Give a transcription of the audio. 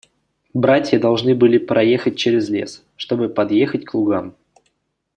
Братья должны были проехать через лес, чтобы подъехать к лугам.